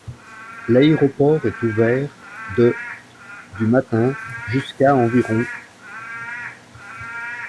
L'aéroport est ouvert de du matin jusqu'à environ.